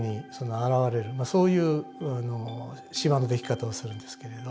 そういう島の出来方をするんですけれど。